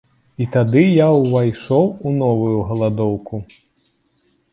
І тады я ўвайшоў у новую галадоўку.